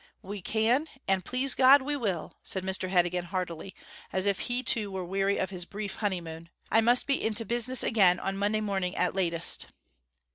'We can. And please God we will!' said Mr Heddegan heartily, as if he too were weary of his brief honeymoon. 'I must be into business again on Monday morning at latest.'